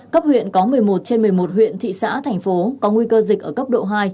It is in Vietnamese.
cấp huyện có một mươi một trên một mươi một huyện thị xã thành phố có nguy cơ dịch ở cấp độ hai